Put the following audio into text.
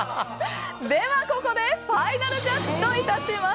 では、ここでファイナルジャッジといたします。